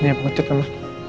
nih pengecut sama